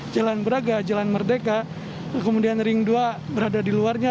jalan braga jalan merdeka kemudian ring dua berada di luarnya